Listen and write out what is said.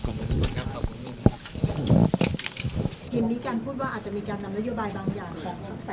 ใส่ทางที่ดีอาจจะเอามาร่วมด้วยตรงนี้ครับ